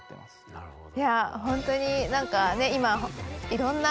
なるほど。